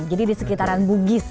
jadi di sekitaran bugis